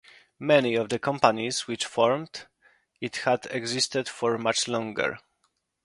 Many of the companies which formed it had existed for much longer.